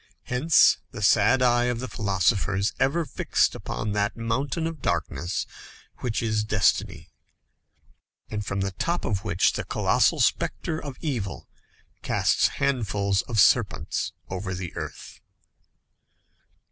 Hence the sad eye of the philosophers ever fixed upon that mountain of darkness which is destiny, and from the top of which the colossal spectre of evil casts handfuls of serpents over the earth.